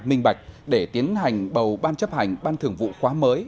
minh bạch để tiến hành bầu ban chấp hành ban thường vụ khóa mới